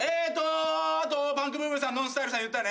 あとパンクブーブーさんＮＯＮＳＴＹＬＥさん言ったよね。